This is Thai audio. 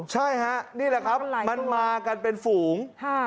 ใช่ฮะนี่แหละครับมันมากันเป็นฝูง